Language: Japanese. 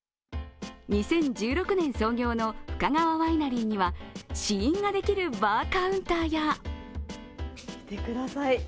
２０１６年創業の深川ワイナリーには試飲ができるバーカウンターや見てください。